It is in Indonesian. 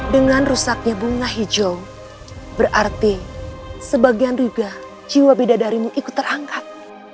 dengan rusaknya bunga hijau berarti sebagian ruga jiwa bidadarimu ikut terangkat